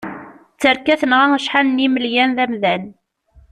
Tterka tenɣa acḥal n imelyan d amdan.